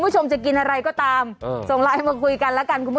ใช้เมียได้ตลอด